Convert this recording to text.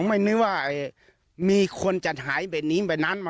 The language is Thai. ผมไม่นึกว่ามีคนจะหายแบบนี้แบบนั้น